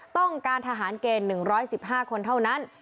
ต้องการทหารเกณฑ์๑๑๕คนเท่านั้น